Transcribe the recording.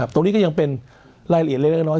ตรงนี้ก็ยังเป็นรายละเอียดเล็กน้อย